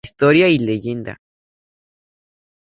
Historia y leyenda.